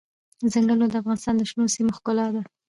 ځنګلونه د افغانستان د شنو سیمو ښکلا ده.